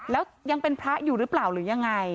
แล้วยังเป็นพระอยู่หรือเปล่าหรือยังไง